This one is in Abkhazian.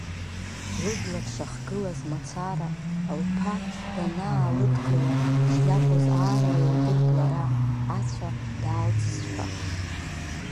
Лыбла дшыхгылаз мацара, лԥа данаалыдгыла шиакәыз аарла илдырт лара, ацәа даалҵызшәа.